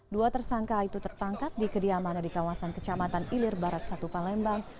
dua tersangka itu tertangkap di kediamannya di kawasan kecamatan ilir barat satu palembang